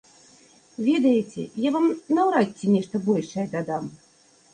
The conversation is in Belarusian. Ведаеце, я вам наўрад ці нешта большае дадам.